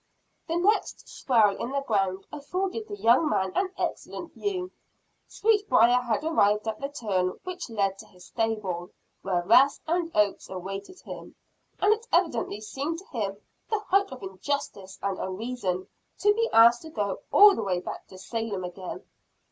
The next swell in the ground afforded the young man an excellent view. Sweetbriar had arrived at the turn which led to his stable; where rest and oats awaited him; and it evidently seemed to Him the height of injustice and unreason to be asked to go all the way back to Salem again.